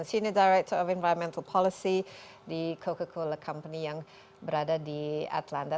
ben jordan senior director of environmental policy di coca cola company yang berada di atlanta